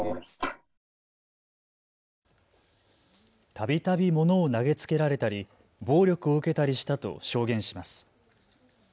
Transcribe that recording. たびたび物を投げつけられたり暴力を受けたりしたと証言します。